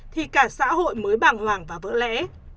thì cả xã hội mới bảng hoảng và vỡ lẽ